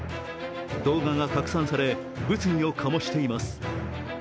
動画が拡散され、物議を醸しています。